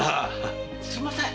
すみません！